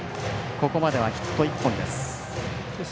ここまではヒット１本です。